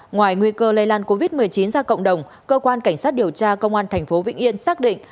ngoài nguy cơ lây lan covid một mươi chín ra cộng đồng cơ quan cảnh sát điều tra công an tp vĩnh yên xác định